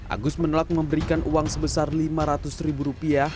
agus menolak memberikan uang sebesar lima ratus ribu rupiah